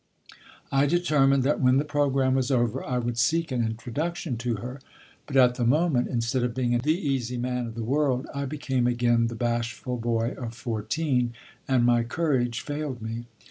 I determined that when the program was over, I would seek an introduction to her; but at the moment, instead of being the easy man of the world, I became again the bashful boy of fourteen, and my courage failed me.